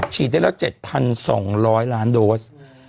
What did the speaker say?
ฉีดได้แล้ว๗๒๐๐ล้านโดส